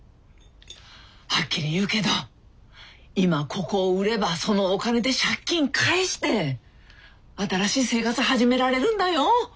はっきり言うけど今ここを売ればそのお金で借金返して新しい生活始められるんだよ。